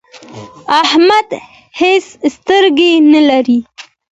احمد هيڅ سترګې نه لري.